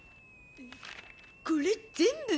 これ全部？